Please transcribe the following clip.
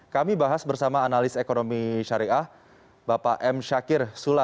kami bahas bersama analis ekonomi syariah bapak m syakir sula